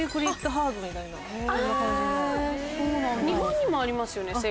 日本にもありますよね